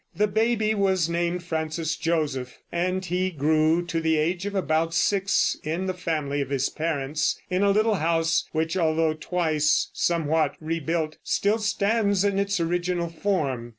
The baby was named Francis Joseph, and he grew to the age of about six in the family of his parents, in a little house which although twice somewhat rebuilt, still stands in its original form.